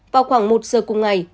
vào khoảng một giờ cùng ngày